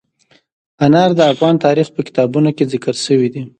انار د افغان تاریخ په کتابونو کې ذکر شوی دي.